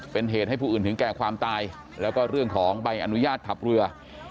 เป็นเหตุให้ผู้อื่นถึงแก่ความตายแล้วก็เรื่องของใบอนุญาตขับเรือ